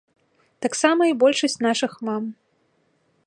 Таксама і большасць нашых мам.